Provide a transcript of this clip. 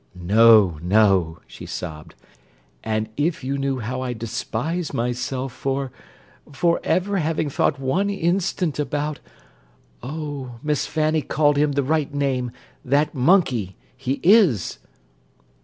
"No, no!" she sobbed. "And if you knew how I despise myself for—for ever having thought one instant about—oh, Miss Fanny called him the right name: that monkey! He is!"